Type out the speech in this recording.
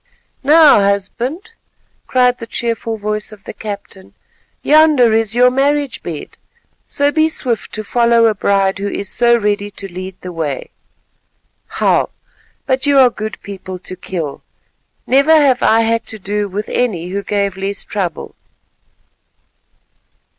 "Now, husband," cried the cheerful voice of the captain, "yonder is your marriage bed, so be swift to follow a bride who is so ready to lead the way. Wow! but you are good people to kill; never have I had to do with any who gave less trouble.